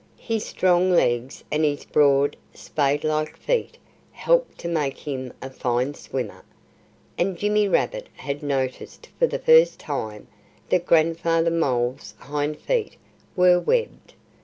His strong legs and his broad, spade like feet helped to make him a fine swimmer. And Jimmy Rabbit had noticed for the first time that Grandfather Mole's hind feet were webbed.